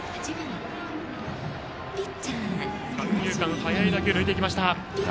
三遊間、速い打球抜いていきました。